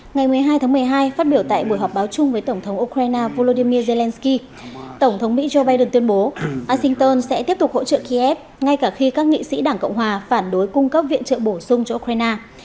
ngày một mươi hai tháng một mươi hai phát biểu tại buổi họp báo chung với tổng thống ukraine volodymyr zelensky tổng thống mỹ joe biden tuyên bố washington sẽ tiếp tục hỗ trợ kiev ngay cả khi các nghị sĩ đảng cộng hòa phản đối cung cấp viện trợ bổ sung cho ukraine